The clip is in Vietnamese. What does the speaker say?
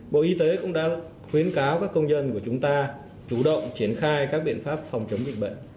bộ y tế cũng đã khuyến cáo các công dân của chúng ta chủ động triển khai các biện pháp phòng chống dịch bệnh